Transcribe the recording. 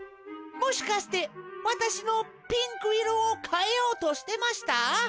もしかしてわたしのピンクいろをかえようとしてました？